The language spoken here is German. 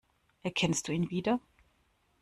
Erkennst du ihn wieder?